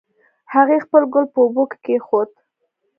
هغې خپل ګل په اوبو کې کېښود